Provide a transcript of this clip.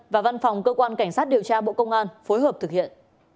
và văn phòng cơ quan cảnh sát điều tra bộ công an phối hợp thực hiện